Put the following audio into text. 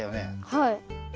はい。